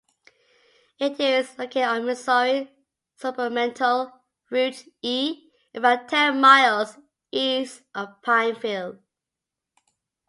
It is located on Missouri Supplemental Route E about ten miles east of Pineville.